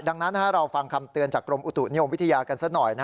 ดังนั้นเราฟังคำเตือนจากกรมอุตุนิยมวิทยากันซะหน่อย